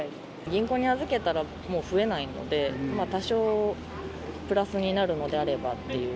銀行に預けたら、もう増えないので、多少、プラスになるのであればっていう。